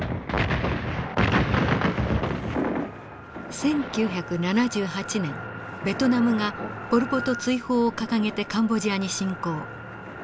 １９７８年ベトナムがポル・ポト追放を掲げてカンボジアに侵攻。